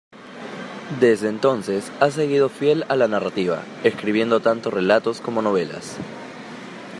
Desde entonces ha seguido fiel a la narrativa, escribiendo tanto relatos como novelas.